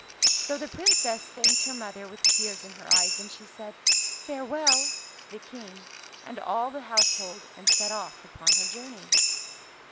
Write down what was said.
So the Princess thanked her mother with tears in her eyes ; and she said " Farewell " to the King, and all the household, and set off upon her journey.